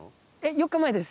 ４日前です。